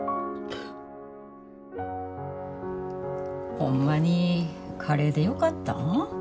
ホンマにカレーでよかったん？